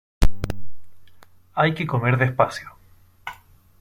Hay que comer despacio